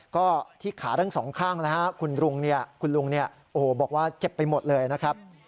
ก็ที่ขาด้านสองข้างนะครับคุณลุงบอกว่าเจ็บไปหมดเลยนะครับ